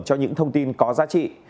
cho những thông tin có giá trị